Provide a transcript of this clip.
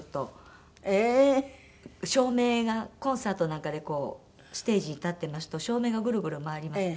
照明がコンサートなんかでこうステージに立ってますと照明がグルグル回ります。